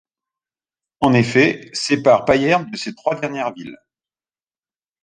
En effet, séparent Payerne de ces trois dernières villes.